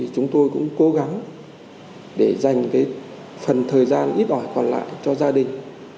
chúng tôi cũng cố gắng để dành phần thời gian ít ỏi còn lại cho gia đình